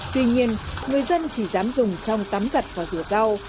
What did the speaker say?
tuy nhiên người dân chỉ dám dùng trong tắm gật và rửa rau